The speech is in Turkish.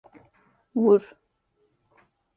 Vur!